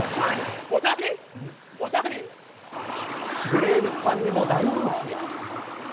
ブレーブスファンにも大人気。